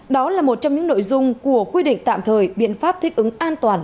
đó là một trong những nội dung của quy định tạm thời biện pháp thích ứng an toàn